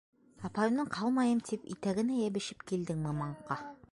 Апайымдан ҡалмайым, тип итәгенә йәбешеп килдеңме, маңҡа?